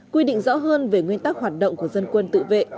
quy định rõ hơn về nguyên tắc hoạt động của dân quân tự vệ